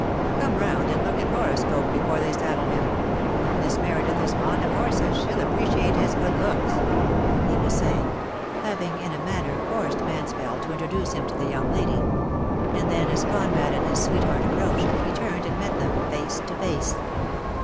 "Come round and look at Horoscope before they saddle him: if Miss Meredith is fond of horses she'll appreciate his good looks," he was saying, having in a manner forced Mansfeld to introduce him to the young lady; and then as Conrad and his sweetheart approached, he turned and met them face to face.